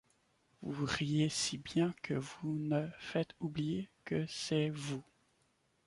Vous riez si bien que vous me faites oublier que c'est vous.